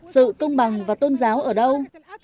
sự công bằng và tôn giáo ở đâu